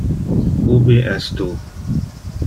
Ubi es tu?